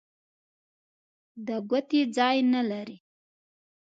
د ګوتې ځای نه لري.